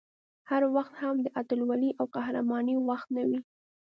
هر وخت هم د اتلولۍ او قهرمانۍ وخت نه وي